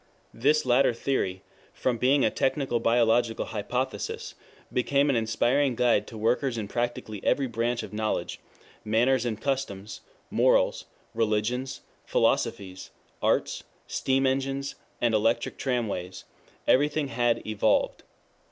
This latter theory, from being a technical biological hypothesis, became an inspiring guide to workers in practically every branch of knowledge: manners and customs, morals, religions, philosophies, arts, steam engines, electric tramways everything had 'evolved.'